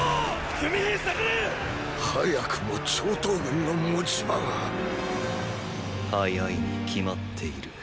弓兵下がれ！早くも張唐軍の持ち場が早いに決まっている。